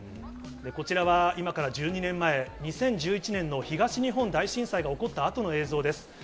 こちらは今から１２年前、２０１１年の東日本大震災が起こったあとの映像です。